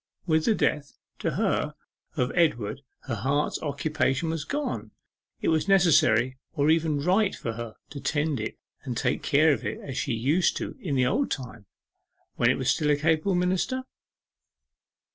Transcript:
With the death (to her) of Edward her heart's occupation was gone. Was it necessary or even right for her to tend it and take care of it as she used to in the old time, when it was still a capable minister?